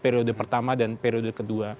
periode pertama dan periode kedua